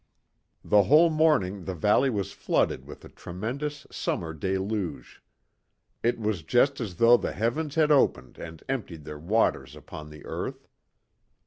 The whole morning the valley was flooded with a tremendous summer deluge. It was just as though the heavens had opened and emptied their waters upon the earth.